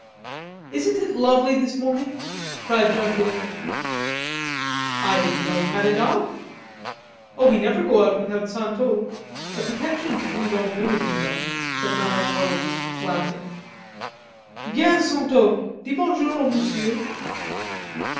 "Isn't it lovely this morning?" cried Genevieve. "I didn't know you had a dog." "Oh, we never go out without Santo, a protection to two lone women, you know," said Mme. Rod, laughing. "Viens, Santo, dis bonjour au Monsieur."